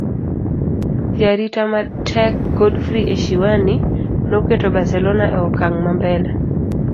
jaarita matek Godfrey Eshiwani noketo Barcelona e okang' ma mbele